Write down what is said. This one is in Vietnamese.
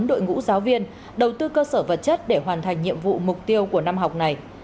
đội ngũ giáo viên đầu tư cơ sở vật chất để hoàn thành nhiệm vụ mục tiêu của năm học này